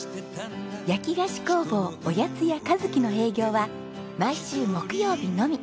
焼き菓子工房おやつ屋和希の営業は毎週木曜日のみ。